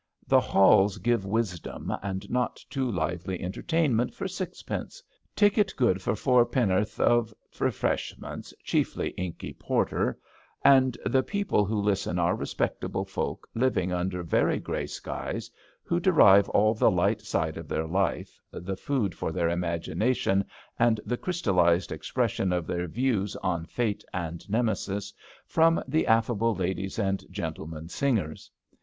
The halls give wisdom and not too lively entertainment for sixpence — ticket good for four pen'orth of refreshments, chiefly inky 266 ABAFT THE FUNNEL porter — ^and the people who listen are respectable folk living under very grey skies who derive all the light side of their life, the food for their imagination and the crystallised expression of their views on Fate and Nemesis, from the affable ladies and gentlemen singers.